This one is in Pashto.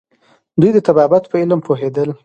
دوی د طبابت په علم پوهیدل